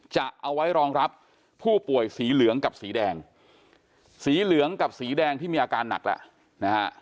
จะเอาไว้รองรับผู้ป่วยสีเหลืองกับสีแดงสีเหลืองกับสีแดงที่มีอาการหนักแล้วนะฮะ